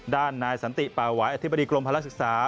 ด้านนายสันติป่าหวายอธิบดีกรมภาระศึกษา